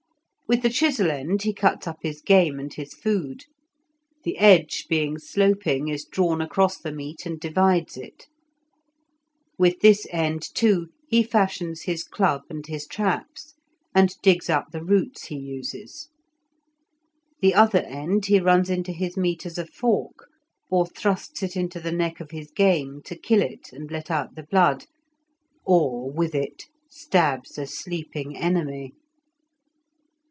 With the chisel end he cuts up his game and his food; the edge, being sloping, is drawn across the meat and divides it. With this end, too, he fashions his club and his traps, and digs up the roots he uses. The other end he runs into his meat as a fork, or thrusts it into the neck of his game to kill it and let out the blood, or with it stabs a sleeping enemy.